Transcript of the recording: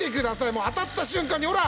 もう当たった瞬間にほら！